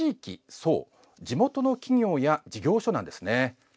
そう、地元の企業や事業所なんですね。